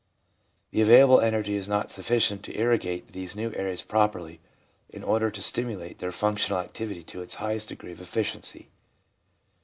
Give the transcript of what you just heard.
The available energy is not sufficient to irrigate these new areas properly in order to stimulate their functional activity to its highest degree of effici ency.